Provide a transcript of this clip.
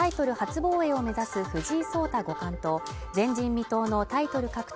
防衛を目指す藤井聡太五冠と前人未到のタイトル獲得